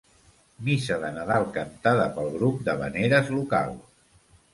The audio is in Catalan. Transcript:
Missa de Nadal cantada pel grup d'havaneres local: